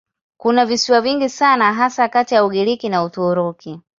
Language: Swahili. Kuna visiwa vingi sana hasa kati ya Ugiriki na Uturuki.